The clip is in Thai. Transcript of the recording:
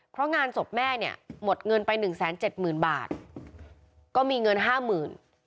เพราะงานสบแม่เนี่ยหมดเงินไป๑๗๐๐๐๐บาทก็มีเงิน๕๐๐๐๐บาท